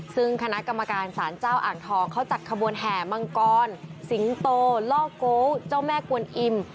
ซึ่งคณะกรรมการศาลเจ้าอ่างทองเขาจัดขบวนแห่มังกรสิงโตล่อโกงเจ้าแม่กวนอิ่ม